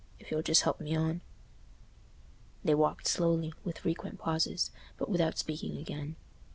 If you'll just help me on." They walked slowly, with frequent pauses, but without speaking again.